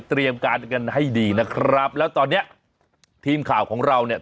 เตรียมการกันให้ดีนะครับแล้วตอนเนี้ยทีมข่าวของเราเนี่ย